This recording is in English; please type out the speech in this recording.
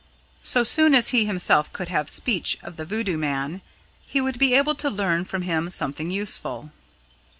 So soon as he himself could have speech of the Voodoo man he would be able to learn from him something useful.